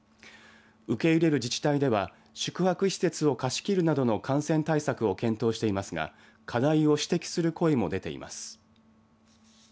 受け入れる自治体では宿泊施設を貸し切るなどの感染対策を検討していますが課題を指摘する声も出ています。